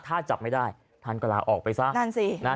ถ้าจับไม่ได้ท่านก็ลาออกไปซะ